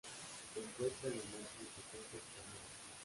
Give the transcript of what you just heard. Se encuentra en los márgenes de campos y caminos.